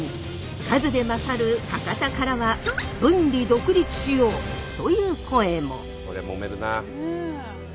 数で勝る博多からは分離独立しようという声も。